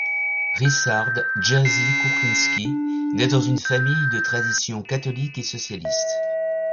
Ryszard Jerzy Kukliński naît dans une famille de tradition catholique et socialiste.